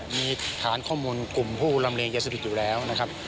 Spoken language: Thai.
มีฐานข้อมูลกลุ่มผู้ลำเรียงยาเสพติดอยู่แล้วนะครับ